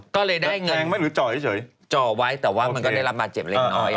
หรือแทงไม่หรือจ่อยเฉยจ่อไว้แต่ว่ามันก็ได้รับบาดเจ็บเล็กน้อย